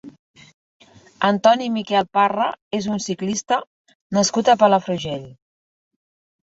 Antoni Miguel Parra és un ciclista nascut a Palafrugell.